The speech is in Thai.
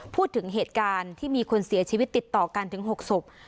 พูดถึงเหตุการณ์ที่มีคนเสียชีวิตติดต่อกันถึง๖ศพ